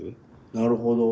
なるほど。